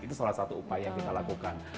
itu salah satu upaya yang kita lakukan